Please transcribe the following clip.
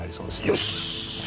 よし！